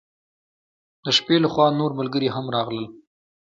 د شپې له خوا نور ملګري هم راغلل.